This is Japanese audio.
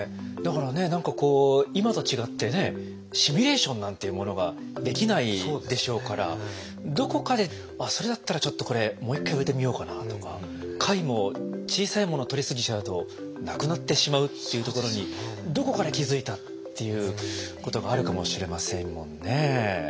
だからね何かこう今と違ってねシミュレーションなんていうものができないでしょうからどこかでそれだったらちょっとこれもう一回植えてみようかなとか貝も小さいものを取り過ぎちゃうとなくなってしまうっていうところにどこかで気付いたっていうことがあるかもしれませんもんね。